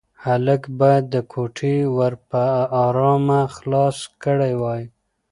هلک باید د کوټې ور په ارامه خلاص کړی وای.